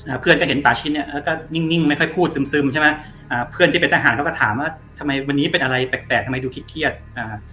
เพื่อนก็เห็นป่าชิ้นเนี้ยแล้วก็นิ่งนิ่งไม่ค่อยพูดซึมซึมใช่ไหมอ่าเพื่อนที่เป็นทหารเขาก็ถามว่าทำไมวันนี้เป็นอะไรแปลกแปลกทำไมดูคิดเครียดอ่า